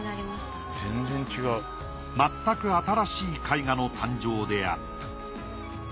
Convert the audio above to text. まったく新しい絵画の誕生であった。